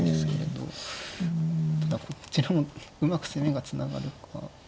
ただこちらもうまく攻めがつながるか。